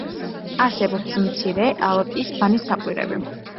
არსებობს მცირე, ალტის, ბანის საყვირები.